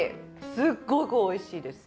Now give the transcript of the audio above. すっごくおいしいです。